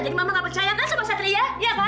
jadi mama gak percaya kan sama satria